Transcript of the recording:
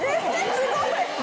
すごい！